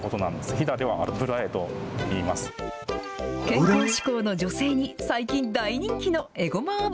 健康志向の女性に最近大人気のエゴマ油。